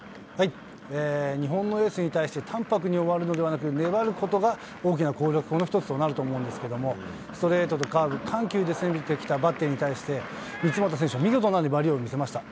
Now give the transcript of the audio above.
日本のエースに対して、淡白に終わるのではなく、粘ることが大きな攻略法の一つとなると思うんですけれども、ストレートとカーブ、緩急で攻めてきたバッテリーに対して、三ツ俣選手は見事な粘りを見せました。